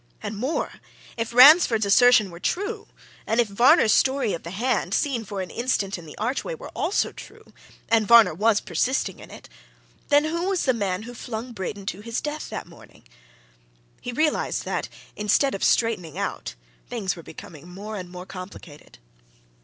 And, more if Ransford's assertion were true, and if Varner's story of the hand, seen for an instant in the archway, were also true and Varner was persisting in it then, who was the man who flung Braden to his death that morning? He realized that, instead of straightening out, things were becoming more and more complicated.